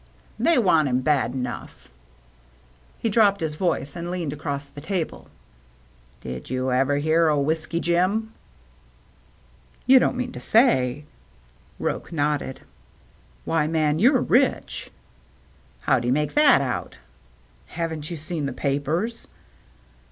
" They want him bad enough." He dropped his voice, and leaned across the table. " Did you ever hear o' Whiskey Jim ?"" You don't mean to say —" Roche nodded. " Why, man, you're rich." " How do you make that out ?"" Haven't you seen the papers